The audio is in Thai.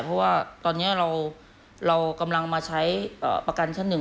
เพราะว่าตอนนี้เรากำลังมาใช้ประกันชั้นหนึ่ง